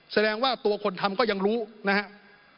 แสดงว่าตัวคนทำก็ยังรู้นะครับ